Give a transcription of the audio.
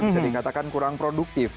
bisa dikatakan kurang produktif